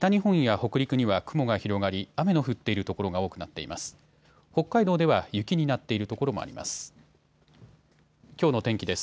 北海道では雪になっているところもあります。